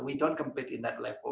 kita tidak berkumpul di tahap itu